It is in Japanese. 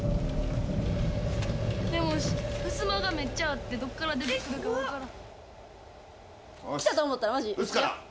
ふすまがめっちゃあって、どこから出てくるか分からん。